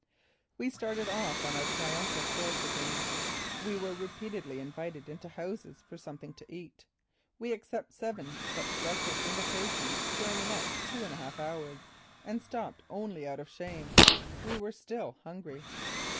We started off on our triumphal course again. We were repeatedly invited into houses for something to eat. We accepted seven such breakfast invitations during the next two and a half hours and stopped only out of shame. We were still hungry.